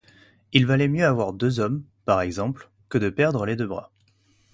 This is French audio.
Il valait mieux avoir deux hommes, par exemple, que de perdre les deux bras.